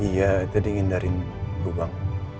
iya jadi ngindarin lubang